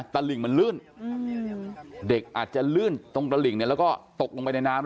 ตลิ่งมันลื่นเด็กอาจจะลื่นตรงตะหลิ่งเนี่ยแล้วก็ตกลงไปในน้ำ